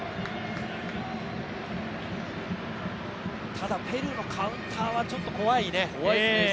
ただ、ペルーのカウンターはちょっと怖いね。